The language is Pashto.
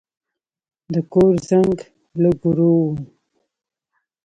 د کور زنګ لږ ورو و.